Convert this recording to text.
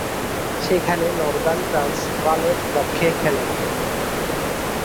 সেখানে নর্দার্ন ট্রান্সভালের পক্ষে খেলেন।